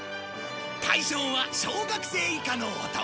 対象は小学生以下のお友達。